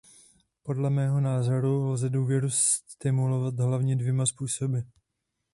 Podle mého názoru lze důvěru stimulovat hlavně dvěma způsoby.